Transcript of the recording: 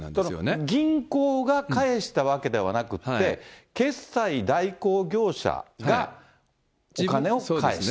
ただ、銀行が返したわけではなくって、決済代行業者がお金を返した。